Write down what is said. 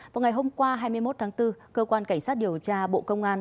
vào ngày hôm qua hai mươi một tháng bốn cơ quan cảnh sát điều tra bộ công an